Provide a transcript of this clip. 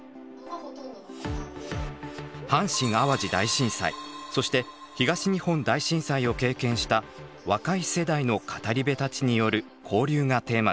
阪神・淡路大震災そして東日本大震災を経験した若い世代の語り部たちによる交流がテーマです。